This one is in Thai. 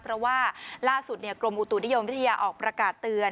เพราะว่าล่าสุดกรมอุตุนิยมวิทยาออกประกาศเตือน